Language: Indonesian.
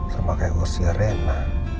sama kayak usia rena